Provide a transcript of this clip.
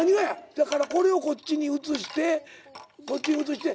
だからこれをこっちに移してこっちに移して。